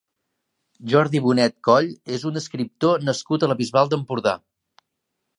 Jordi Bonet Coll és un escriptor nascut a la Bisbal d'Empordà.